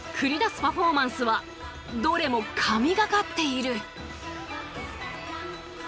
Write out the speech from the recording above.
パフォーマンスはどれも神がかっている。